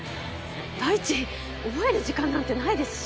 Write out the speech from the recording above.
第一覚える時間なんてないですし。